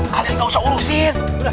kalian gak usah urusin